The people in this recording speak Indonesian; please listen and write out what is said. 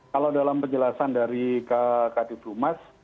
kalau dalam penjelasan dari kak kadipul mas